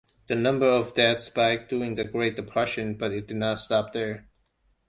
The number of deaths spiked during the Great Depression but didn't stop there.